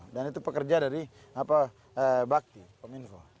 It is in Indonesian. dan itu pekerja dari bakti peminfo